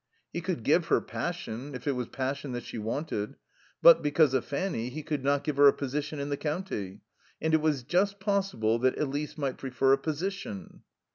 He could give her passion, if it was passion that she wanted; but, because of Fanny, he could not give her a position in the county, and it was just possible that Elise might prefer a position.